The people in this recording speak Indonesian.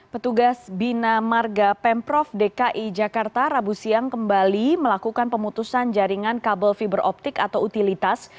petugas bina marga pemprov dki jakarta rabu siang kembali melakukan pemutusan jaringan kabel fiberoptik atau utilitas